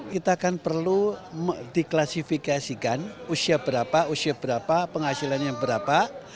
kita akan perlu diklasifikasikan usia berapa usia berapa penghasilannya berapa